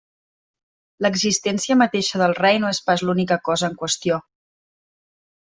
L'existència mateixa del rei no és pas l'única cosa en qüestió.